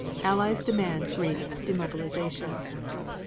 Allies demand Greek demobilization.